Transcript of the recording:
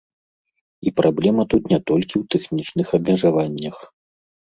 І праблема тут не толькі ў тэхнічных абмежаваннях.